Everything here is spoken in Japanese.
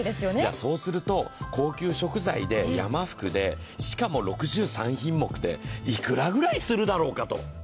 そうすると、高級食材で、山福で、しかも６３品目で、幾らぐらいするだろうかと。